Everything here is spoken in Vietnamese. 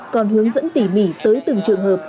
còn hướng dẫn tỉ mỉ tới từng trường hợp